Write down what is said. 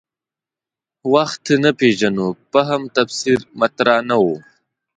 وخت نه پېژنو فهم تفسیر مطرح نه و.